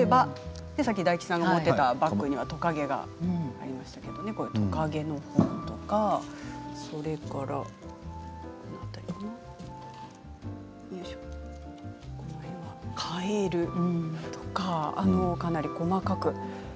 さっき大吉さんが持っていたバッグにはトカゲがありましたけどトカゲとかこの辺はカエルとかかなり細かく。